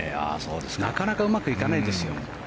なかなかうまくいかないですよ。